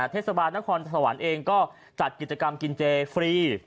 เทศบาลนครสวรรค์เองก็จัดกิจกรรมกินเจฟรี